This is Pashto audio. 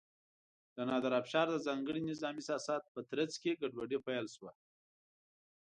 د نادر افشار د ځانګړي نظامي سیاست په ترڅ کې ګډوډي پیل شوه.